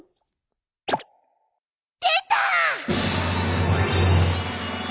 でた！